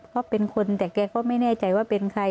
เขาเป็นคนแต่แกก็ไม่แน่ใจว่าเป็นใคร